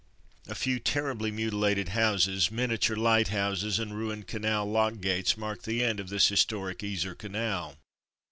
A few terribly mutilated houses, miniature lighthouses, and ruined canal lock gates marked the end of this historic Yser Canal.